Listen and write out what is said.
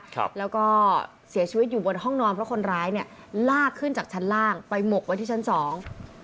ครับแล้วก็เสียชีวิตอยู่บนห้องนอนเพราะคนร้ายเนี่ยลากขึ้นจากชั้นล่างไปหมกไว้ที่ชั้นสอง